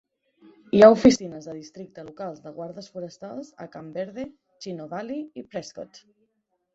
Hi ha oficines de districte locals de guardes forestals a Camp Verde, Chino Valley i Prescott.